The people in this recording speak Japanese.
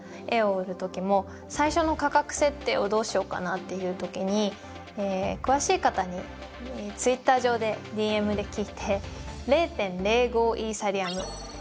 絵を売る時も最初の価格設定をどうしようかなっていう時に詳しい方にツイッター上でＤＭで聞いて０．０５イーサリアム。